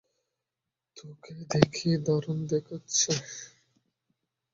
তোকে দেখি দারুণ দেখাচ্ছে।